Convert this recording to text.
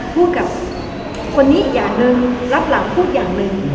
พูดกับคนนี้อย่าเดินรับหลังพูดอย่างนึง